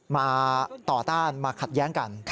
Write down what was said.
มาต่อต้านมาขัดแย้งกัน